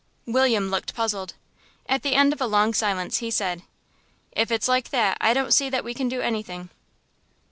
William looked puzzled. At the end of a long silence he said, "If it's like that I don't see that we can do anything."